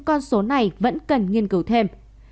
con số này vẫn cần nghiên cứu thêm